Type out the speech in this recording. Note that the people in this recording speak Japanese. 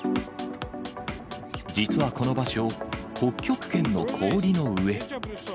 実はこの場所、北極圏の氷の上。